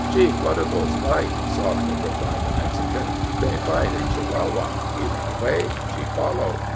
"She Codago's wife," softly replied a Mexican. "They fight in Chihuahua he run away she follow.